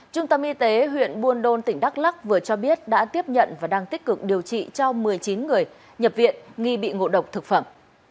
trung tâm y tế huyện buôn đôn tỉnh đắk lắc vừa cho biết đã tiếp nhận và đang tích cực điều trị cho một mươi chín người nhập viện nghi bị ngộ độc thực phẩm